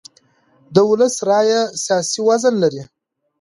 د ولس رایه سیاسي وزن لري